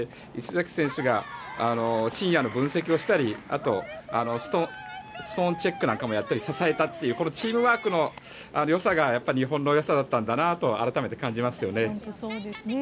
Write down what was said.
石崎選手が深夜の分析をしたりストーンチェックなんかもやったり支えたというチームワークのよさが日本のよさだったんだなと改めて感じました。